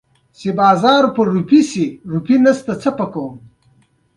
دې تیاره جهان د هغه لپاره هېڅ ارزښت نه درلود